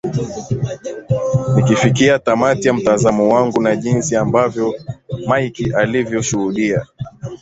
Nikifikia tamati ya mtazamo wangu na jinsi ambavyo Mike alivyoshuhudia